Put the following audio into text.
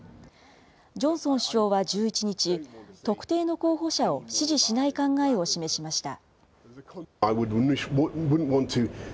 ジョンソン首相は１１日、特定の候補者を支持しない考えを示しました。